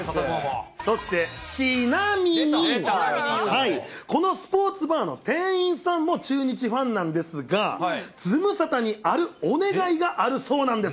そしてちなみに、このスポーツバーの店員さんも中日ファンなんですが、ズムサタにあるお願があるそうなんです。